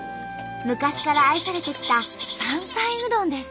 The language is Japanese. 昔から愛されてきた山菜うどんです。